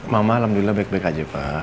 mama alhamdulillah baik baik aja pak